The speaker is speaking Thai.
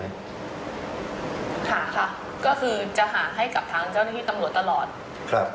ค่ะก็คือจะหาให้กับทางเจ้าหน้าที่ตำรวจตลอดครับ